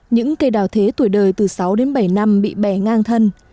những cây đào thế tuổi đời từ sáu đến bảy năm bị bẻ ngang thân